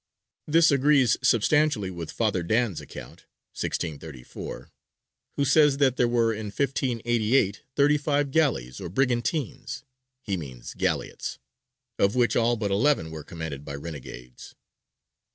This agrees substantially with Father Dan's account (1634), who says that there were in 1588 thirty five galleys or brigantines (he means galleots) of which all but eleven were commanded by renegades.